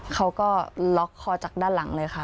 เขาก็ล็อกคอจากด้านหลังเลยค่ะ